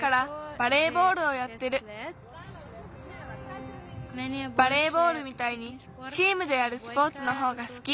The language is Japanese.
バレーボールみたいにチームでやるスポーツのほうがすき。